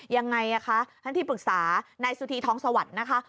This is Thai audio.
ยังไงคะท่านที่ปรึกษานายสุธีทองสวัสดิ์นะคะ